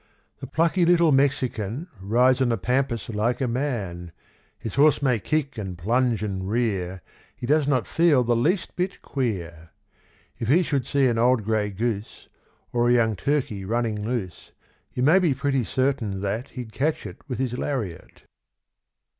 The plucky little Mexican Rides on the pampas like a man; His horse may kick, and plunge, and rear, He does not feel the least bit queer. If he should see an old grey goose Or a young turkey running loose, You may be pretty certain that He'd catch it with his lariat.